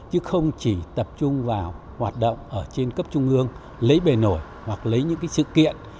chứ không chỉ tập trung vào hoạt động ở trên cấp trung ương lấy bề nổi hoặc lấy những sự kiện